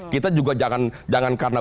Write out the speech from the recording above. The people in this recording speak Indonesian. kita juga jangan karena